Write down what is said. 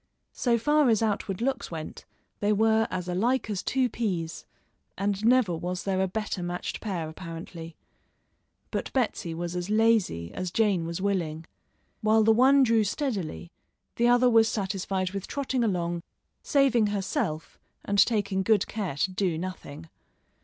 So far as outward looks went, they were as alike as two peas, and never was there a better matched pair apparently. But Betsy was as lazy as Jane was willing. While the one drew steadily, the other was satisfied with trotting along, saving herself and taking good care to do nothing.